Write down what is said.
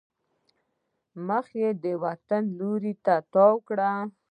مخ یې وطن لوري ته تاو کړی.